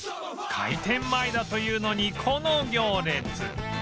開店前だというのにこの行列